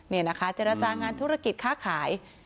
นี่นะคะเจรจางานธุรกิจค้าขาย